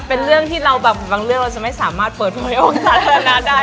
เป็นเรื่องที่เราแบบบางเรื่องเราจะไม่สามารถเปิดโปรย์ออกจากนั้นนะได้